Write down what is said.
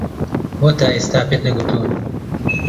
بۆ تا ئێستا پێت نەگوتوون؟